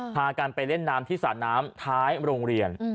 พากันไปเล่นน้ำที่สระน้ำท้ายโรงเรียน